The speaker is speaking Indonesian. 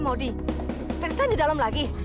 maudie tidak saya di dalam lagi